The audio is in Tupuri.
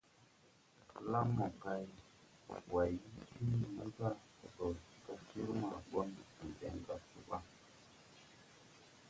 Lan mokay Way wii Timini ga: Ndo gas sir ma ɓon mo deŋ gasge ɓa?